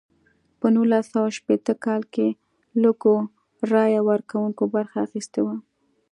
په نولس سوه شپیته کال کې لږو رایه ورکوونکو برخه اخیستې وه.